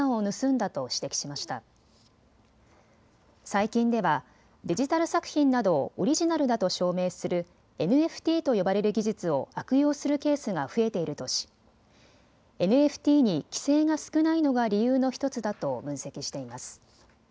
最近ではデジタル作品などをオリジナルだと証明するＮＦＴと呼ばれる技術を悪用するケースが増えているとし、ＮＦＴに規制が少ないのが理由の１つだと分析しています。